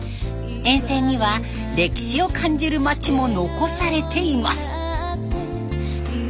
沿線には歴史を感じる町も残されています。